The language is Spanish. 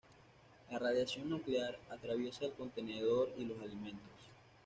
La radiación nuclear atraviesa el contenedor y los alimentos.